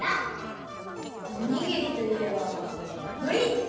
おにぎりといえばのり！